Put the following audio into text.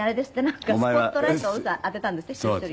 なんかスポットライトを当てたんですって？